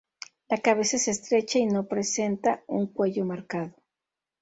La cabeza es estrecha, y no presenta un cuello marcado.